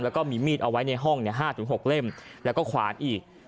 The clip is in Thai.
แล้วก็มีมีดเอาไว้ในห้อง๕๖เล่มแล้วก็ขวานอีก